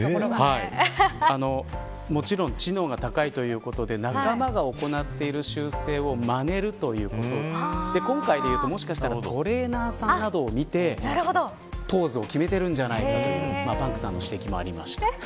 もちろん知能が高いということではなく仲間が行っている習性をまねるということで今回、もしかしたらトレーナーさんなどを見てポーズを決めているんではないかとパンクさんの指摘もありました。